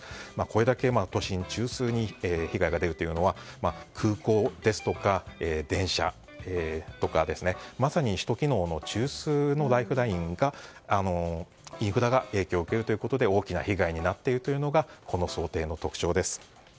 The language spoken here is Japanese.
これだけ都心中心に被害が出るというのは空港ですとか電車とかまさに首都機能の中枢のライフラインが、インフラが影響を受けるということで大きな被害になっているということがこの想定の特徴です。